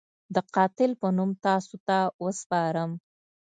د قاتل په نوم تاسو ته وسپارم.